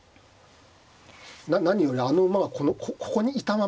何よりあの馬がここにいたまま。